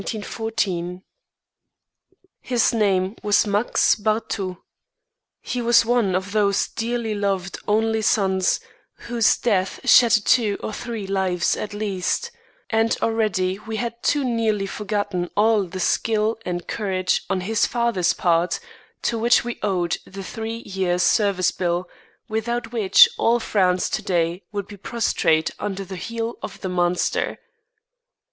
_ His name was Max Barthou. He was one of those dearly loved only sons whose death shatters two or three lives at least, and already we had too nearly forgotten all the skill and courage on his father's part to which we owed the Three Years' Service Bill, without which all France to day would be prostrate under the heel of the Monster.